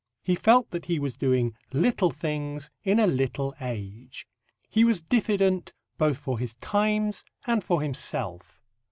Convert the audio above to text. He felt that he was doing little things in a little age. He was diffident both for his times and for himself.